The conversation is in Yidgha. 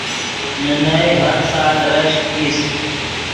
نے نئے ہر سال رشک ایست